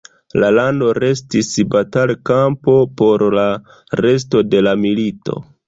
La lando restis batalkampo por la resto de la milito.